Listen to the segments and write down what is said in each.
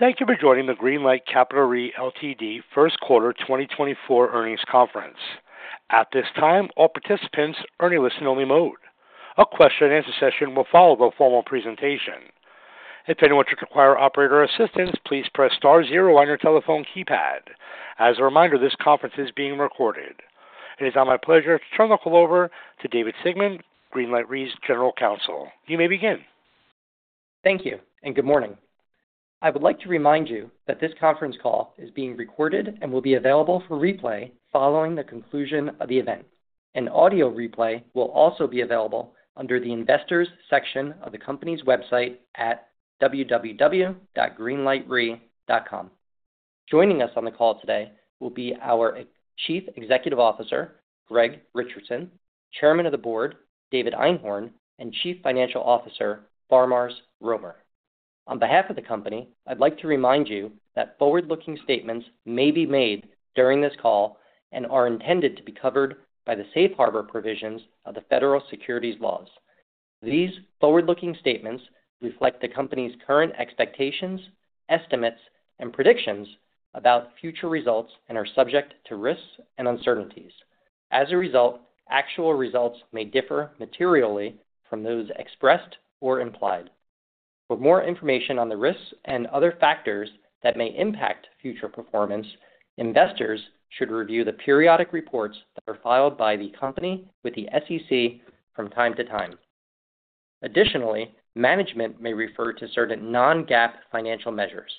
Thank you for joining the Greenlight Capital Re, Ltd. first quarter 2024 earnings conference. At this time, all participants are in a listen-only mode. A question-and-answer session will follow the formal presentation. If anyone should require operator assistance, please press star-zero on your telephone keypad. As a reminder, this conference is being recorded. It is now my pleasure to turn the call over to David Sigmon, Greenlight Re General Counsel. You may begin. Thank you, and good morning. I would like to remind you that this conference call is being recorded and will be available for replay following the conclusion of the event. An audio replay will also be available under the Investors section of the company's website at www.greenlightre.com. Joining us on the call today will be our Chief Executive Officer, Greg Richardson, Chairman of the Board, David Einhorn, and Chief Financial Officer, Faramarz Romer. On behalf of the company, I'd like to remind you that forward-looking statements may be made during this call and are intended to be covered by the safe harbor provisions of the federal securities laws. These forward-looking statements reflect the company's current expectations, estimates, and predictions about future results and are subject to risks and uncertainties. As a result, actual results may differ materially from those expressed or implied. For more information on the risks and other factors that may impact future performance, investors should review the periodic reports that are filed by the company with the SEC from time to time. Additionally, management may refer to certain non-GAAP financial measures.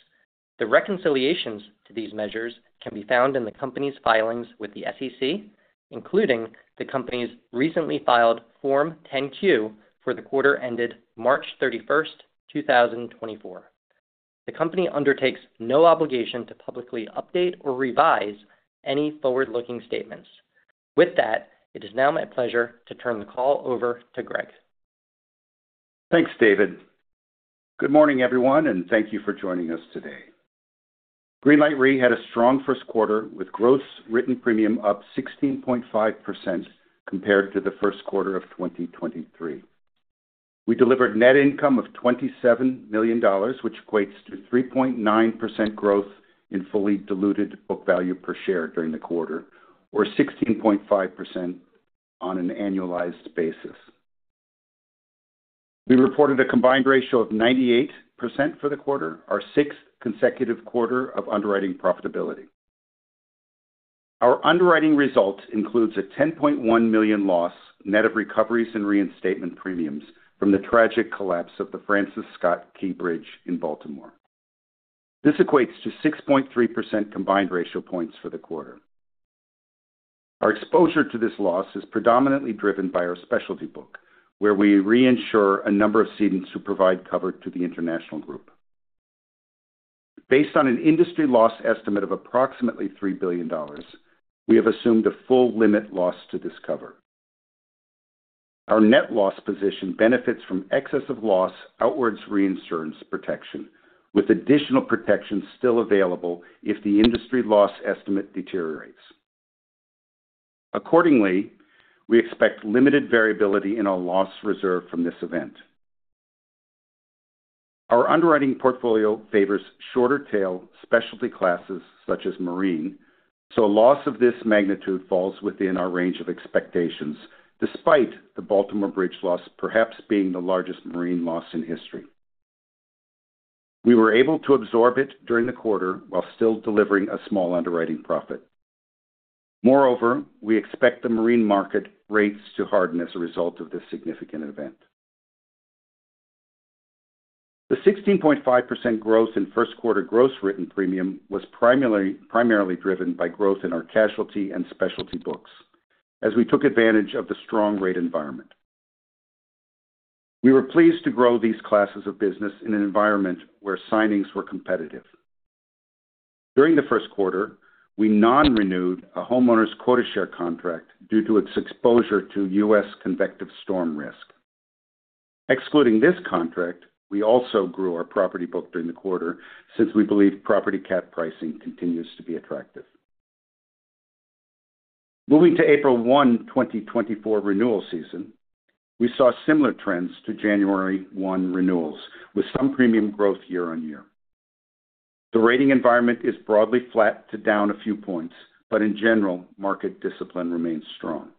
The reconciliations to these measures can be found in the company's filings with the SEC, including the company's recently filed Form 10-Q for the quarter ended March 31st, 2024. The company undertakes no obligation to publicly update or revise any forward-looking statements. With that, it is now my pleasure to turn the call over to Greg. Thanks, David. Good morning, everyone, and thank you for joining us today. Greenlight Re, had a strong first quarter with gross written premium up 16.5% compared to the first quarter of 2023. We delivered net income of $27 million, which equates to 3.9% growth in fully diluted book value per share during the quarter, or 16.5% on an annualized basis. We reported a combined ratio of 98% for the quarter, our sixth consecutive quarter of underwriting profitability. Our underwriting result includes a $10.1 million loss net of recoveries and reinstatement premiums from the tragic collapse of the Francis Scott Key Bridge in Baltimore. This equates to 6.3% combined ratio points for the quarter. Our exposure to this loss is predominantly driven by our specialty book, where we reinsure a number of cedants who provide cover to the International Group. Based on an industry loss estimate of approximately $3 billion, we have assumed a full limit loss to our outwards. Our net loss position benefits from excess of loss outwards reinsurance protection, with additional protection still available if the industry loss estimate deteriorates. Accordingly, we expect limited variability in our loss reserve from this event. Our underwriting portfolio favors short tail specialty classes such as marine, so a loss of this magnitude falls within our range of expectations, despite the Baltimore Bridge loss perhaps being the largest marine loss in history. We were able to absorb it during the quarter while still delivering a small underwriting profit. Moreover, we expect the marine market rates to harden as a result of this significant event. The 16.5% growth in first quarter gross written premium was primarily driven by growth in our casualty and specialty books as we took advantage of the strong rate environment. We were pleased to grow these classes of business in an environment where signings were competitive. During the first quarter, we non-renewed a homeowner's quota share contract due to its exposure to U.S. convective storm risk. Excluding this contract, we also grew our property book during the quarter since we believe property cat pricing continues to be attractive. Moving to April 1, 2024 renewal season, we saw similar trends to January 1 renewals, with some premium growth year-on-year. The rating environment is broadly flat to down a few points, but in general, market discipline remains strong.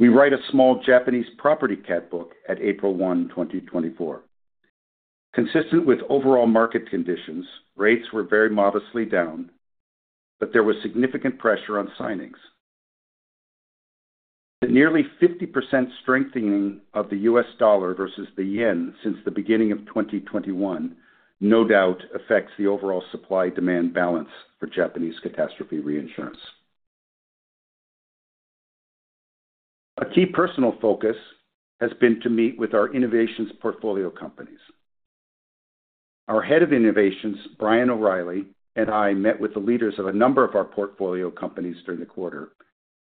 We write a small Japanese property cat book at April 1, 2024. Consistent with overall market conditions, rates were very modestly down, but there was significant pressure on signings. The nearly 50% strengthening of the U.S. dollar versus the Yen since the beginning of 2021 no doubt affects the overall supply-demand balance for Japanese catastrophe reinsurance. A key personal focus has been to meet with our innovations portfolio companies. Our head of innovations, Brian O'Reilly, and I met with the leaders of a number of our portfolio companies during the quarter,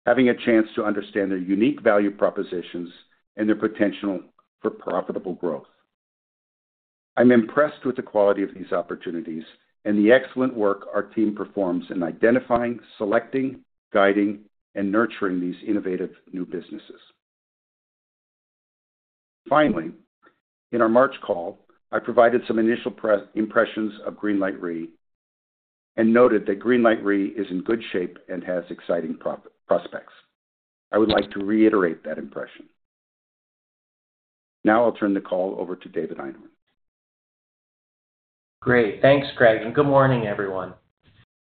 having a chance to understand their unique value propositions and their potential for profitable growth. I'm impressed with the quality of these opportunities and the excellent work our team performs in identifying, selecting, guiding, and nurturing these innovative new businesses. Finally, in our March call, I provided some initial impressions of Greenlight Re and noted that Greenlight Re is in good shape and has exciting prospects. I would like to reiterate that impression. Now I'll turn the call over to David Einhorn. Great. Thanks, Greg, and good morning, everyone.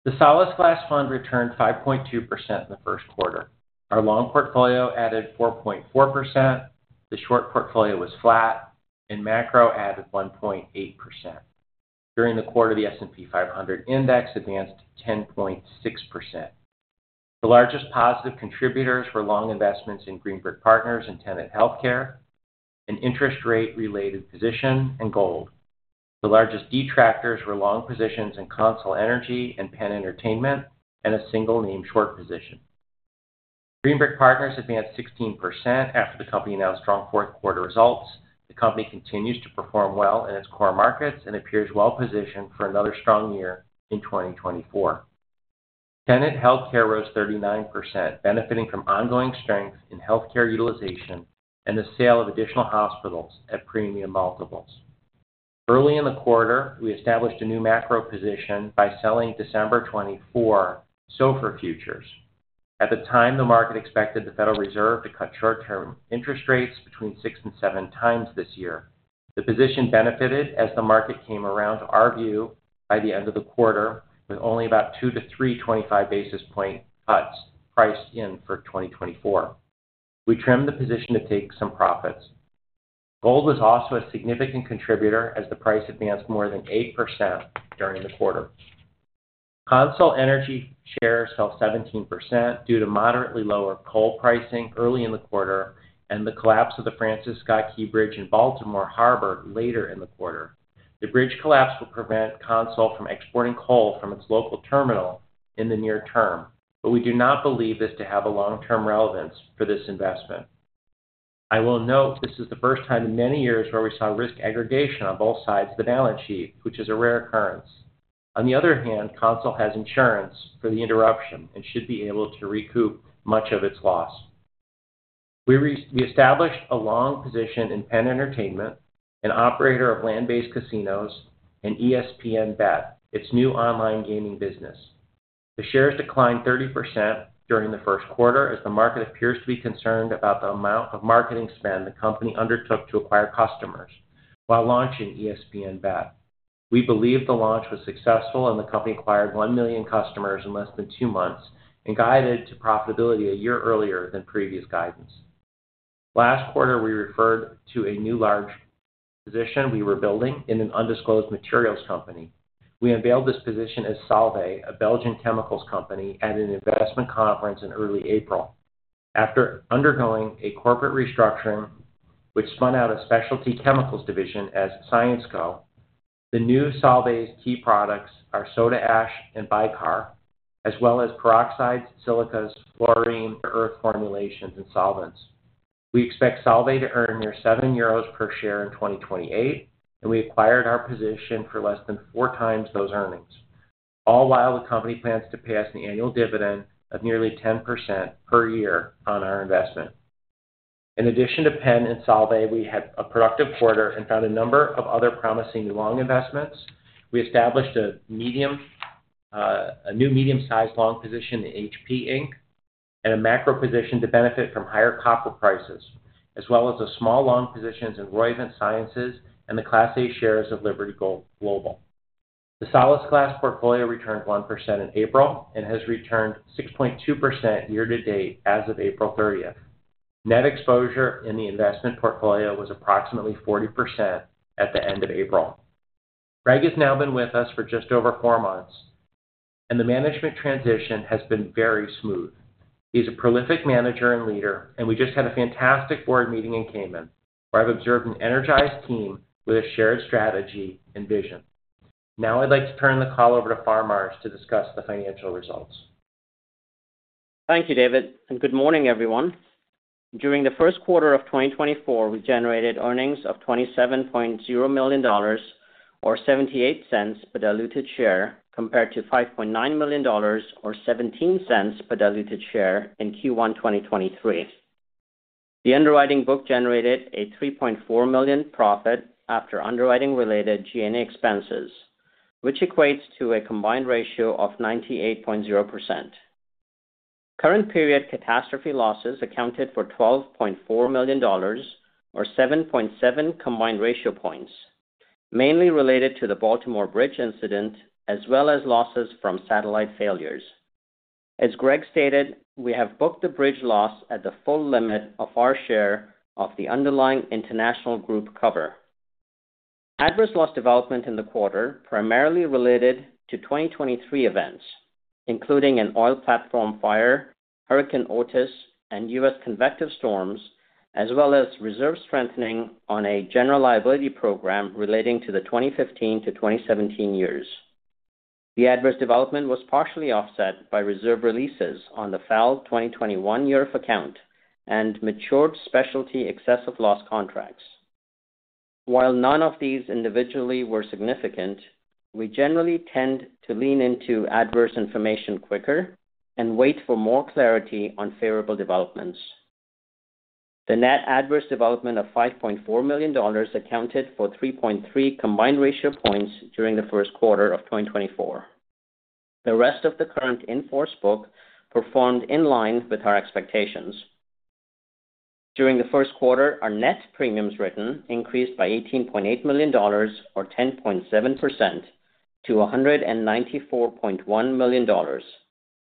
The Solasglas Fund returned 5.2% in the first quarter. Our long portfolio added 4.4%. The short portfolio was flat, and macro added 1.8%. During the quarter, the S&P 500 index advanced 10.6%. The largest positive contributors were long investments in Green Brick Partners and Tenet Healthcare, an interest rate-related position, and gold. The largest detractors were long positions in CONSOL Energy and Penn Entertainment and a single name short position. Green Brick Partners advanced 16% after the company announced strong fourth quarter results. The company continues to perform well in its core markets and appears well-positioned for another strong year in 2024. Tenet Healthcare rose 39%, benefiting from ongoing strength in healthcare utilization and the sale of additional hospitals at premium multiples. Early in the quarter, we established a new macro position by selling December 2024 SOFR futures. At the time, the market expected the Federal Reserve to cut short-term interest rates between 6 and 7 times this year. The position benefited as the market came around to our view by the end of the quarter, with only about 2-3 25-basis point cuts priced in for 2024. We trimmed the position to take some profits. Gold was also a significant contributor as the price advanced more than 8% during the quarter. CONSOL Energy shares fell 17% due to moderately lower coal pricing early in the quarter and the collapse of the Francis Scott Key Bridge in Baltimore Harbor later in the quarter. The bridge collapse would prevent CONSOL from exporting coal from its local terminal in the near term, but we do not believe this to have a long-term relevance for this investment. I will note this is the first time in many years where we saw risk aggregation on both sides of the balance sheet, which is a rare occurrence. On the other hand, CONSOL has insurance for the interruption and should be able to recoup much of its loss. We established a long position in Penn Entertainment, an operator of land-based casinos, and ESPN Bet, its new online gaming business. The shares declined 30% during the first quarter as the market appears to be concerned about the amount of marketing spend the company undertook to acquire customers while launching ESPN Bet. We believe the launch was successful, and the company acquired one million customers in less than two months and guided to profitability a year earlier than previous guidance. Last quarter, we referred to a new large position we were building in an undisclosed materials company. We unveiled this position as Solvay, a Belgian chemicals company, at an investment conference in early April. After undergoing a corporate restructuring, which spun out a specialty chemicals division as Syensqo, the new Solvay's key products are soda ash and bicarb, as well as peroxides, silicas, fluorine, earth formulations, and solvents. We expect Solvay to earn near 7 euros per share in 2028, and we acquired our position for less than four times those earnings, all while the company plans to pay us an annual dividend of nearly 10% per year on our investment. In addition to Penn and Solvay, we had a productive quarter and found a number of other promising long investments. We established a new medium-sized long position in HP Inc., and a macro position to benefit from higher copper prices, as well as small long positions in Roivant Sciences and the Class A shares of Liberty Global. The Solasglas portfolio returned 1% in April and has returned 6.2% year to date as of April 30th. Net exposure in the investment portfolio was approximately 40% at the end of April. Greg has now been with us for just over four months, and the management transition has been very smooth. He's a prolific manager and leader, and we just had a fantastic board meeting in Cayman where I've observed an energized team with a shared strategy and vision. Now I'd like to turn the call over to Faramarz to discuss the financial results. Thank you, David, and good morning, everyone. During the first quarter of 2024, we generated earnings of $27.0 million or $0.78 per diluted share compared to $5.9 million or $0.17 per diluted share in Q1 2023. The underwriting book generated a $3.4 million profit after underwriting-related G&A expenses, which equates to a combined ratio of 98.0%. Current-period catastrophe losses accounted for $12.4 million or 7.7 combined ratio points, mainly related to the Baltimore Bridge incident as well as losses from satellite failures. As Greg stated, we have booked the bridge loss at the full limit of our share of the underlying international group cover. Adverse loss development in the quarter primarily related to 2023 events, including an oil platform fire, Hurricane Otis, and U.S. convective storms, as well as reserve strengthening on a general liability program relating to the 2015 to 2017 years. The adverse development was partially offset by reserve releases on the FAL 2021 year of account and matured specialty excess of loss contracts. While none of these individually were significant, we generally tend to lean into adverse information quicker and wait for more clarity on favorable developments. The net adverse development of $5.4 million accounted for 3.3 combined ratio points during the first quarter of 2024. The rest of the current in-force book performed in line with our expectations. During the first quarter, our net premiums written increased by $18.8 million or 10.7% to $194.1 million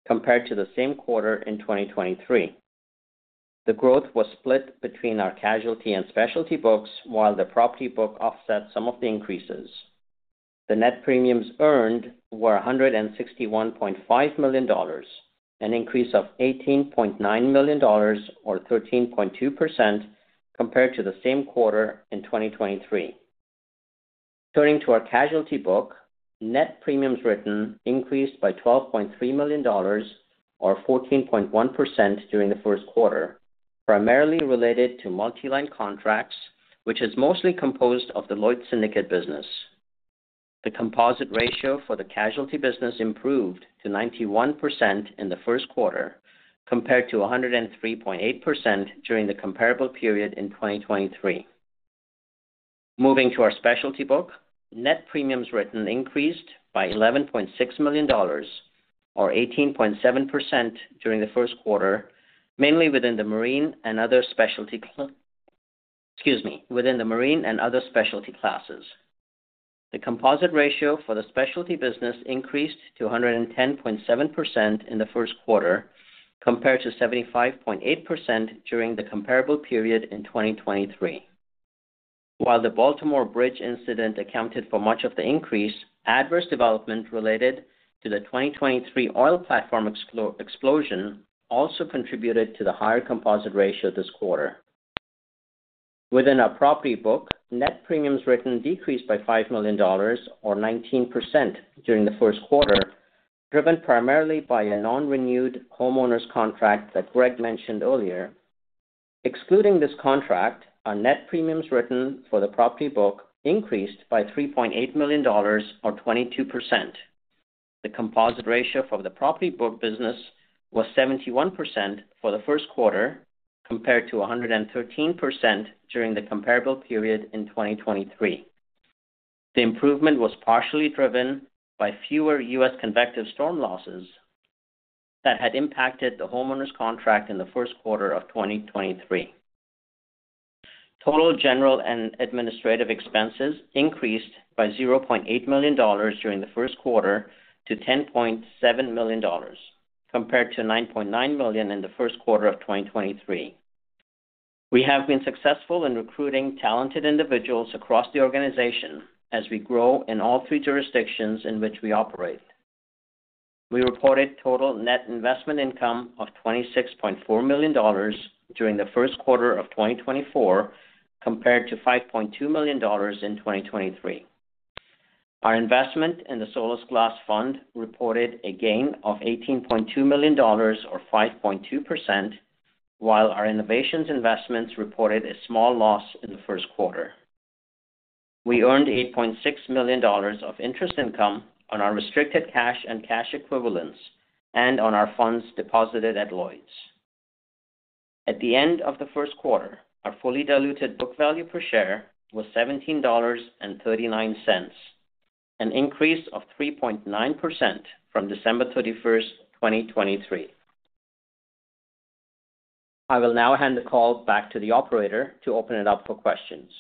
compared to the same quarter in 2023. The growth was split between our casualty and specialty books, while the property book offset some of the increases. The net premiums earned were $161.5 million, an increase of $18.9 million or 13.2% compared to the same quarter in 2023. Turning to our casualty book, net premiums written increased by $12.3 million or 14.1% during the first quarter, primarily related to multiline contracts, which is mostly composed of the Lloyd's syndicate business. The composite ratio for the casualty business improved to 91% in the first quarter compared to 103.8% during the comparable period in 2023. Moving to our specialty book, net premiums written increased by $11.6 million or 18.7% during the first quarter, mainly within the marine and other specialty excuse me, within the marine and other specialty classes. The composite ratio for the specialty business increased to 110.7% in the first quarter compared to 75.8% during the comparable period in 2023. While the Baltimore Bridge incident accounted for much of the increase, adverse development related to the 2023 oil platform explosion also contributed to the higher composite ratio this quarter. Within our property book, net premiums written decreased by $5 million or 19% during the first quarter, driven primarily by a non-renewed homeowner's contract that Greg mentioned earlier. Excluding this contract, our net premiums written for the property book increased by $3.8 million or 22%. The composite ratio for the property book business was 71% for the first quarter compared to 113% during the comparable period in 2023. The improvement was partially driven by fewer U.S. convective storm losses that had impacted the homeowner's contract in the first quarter of 2023. Total general and administrative expenses increased by $0.8 million during the first quarter to $10.7 million compared to $9.9 million in the first quarter of 2023. We have been successful in recruiting talented individuals across the organization as we grow in all three jurisdictions in which we operate. We reported total net investment income of $26.4 million during the first quarter of 2024 compared to $5.2 million in 2023. Our investment in the Solasglas Fund reported a gain of $18.2 million or 5.2%, while our innovations investments reported a small loss in the first quarter. We earned $8.6 million of interest income on our restricted cash and cash equivalents and on our funds deposited at Lloyd's. At the end of the first quarter, our fully diluted book value per share was $17.39, an increase of 3.9% from December 31, 2023. I will now hand the call back to the operator to open it up for questions.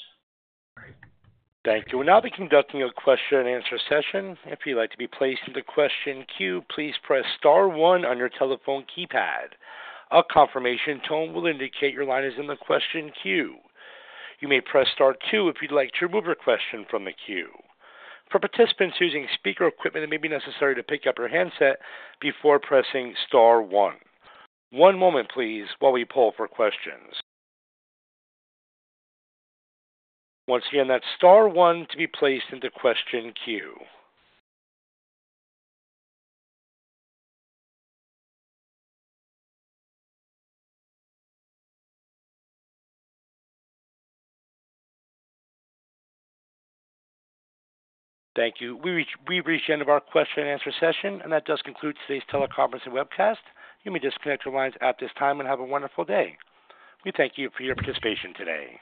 Thank you. We'll now be conducting a question-and-answer session. If you'd like to be placed in the question queue, please press star one on your telephone keypad. A confirmation tone will indicate your line is in the question queue. You may press star two if you'd like to remove your question from the queue. For participants using speaker equipment, it may be necessary to pick up your handset before pressing star one. One moment, please, while we pull for questions. Once again, that's star one to be placed in the question queue. Thank you. We've reached the end of our question-and-answer session, and that does conclude today's teleconference and webcast. You may disconnect your lines at this time and have a wonderful day. We thank you for your participation today.